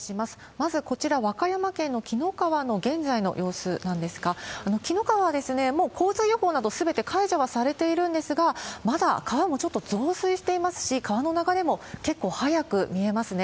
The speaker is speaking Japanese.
まずこちら、和歌山県の紀の川の現在の様子なんですが、紀の川は、もう洪水情報など、すべて解除はされているんですが、まだ川もちょっと増水していますし、川の流れも結構速く見えますね。